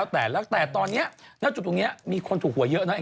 แต่ตอนตรงนี้มีคนถูกหวยเยอะเนอะ